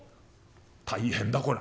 大変だこら。